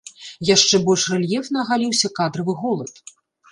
Яшчэ больш рэльефна агаліўся кадравы голад.